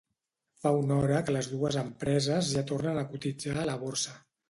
Fa una hora que les dues empreses ja tornen a cotitzar a la borsa.